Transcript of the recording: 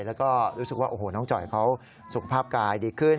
แล้วก็รู้สึกว่าโอ้โหน้องจ่อยเขาสุขภาพกายดีขึ้น